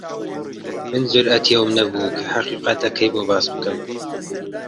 من جورئەتی ئەوەم نەبوو کە حەقیقەتەکەی بۆ باس بکەم.